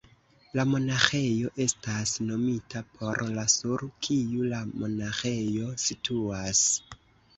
La monaĥejo estas nomita por la sur kiu la monaĥejo situas.